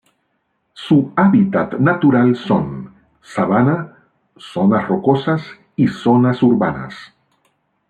Su hábitat natural son: sabana, zonas rocosas, y zona urbanas.